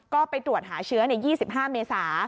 ก็ไปตรวจหาเชื้อ๒๕เมษา